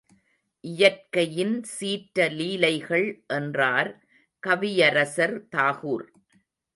இயற்கையின் சீற்ற லீலைகள் என்றார் கவியரசர் தாகூர்.